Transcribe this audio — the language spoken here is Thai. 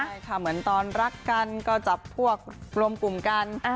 ใช่ค่ะเหมือนตอนรักกันก็จับพวกรวมกลุ่มกัน